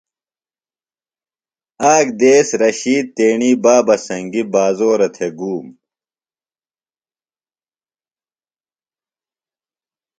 آک دیس رشید تیݨی بابہ سنگی بازورہ تھےۡ گُوم۔